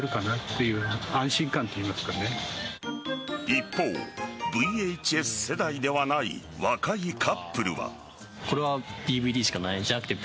一方、ＶＨＳ世代ではない若いカップルは。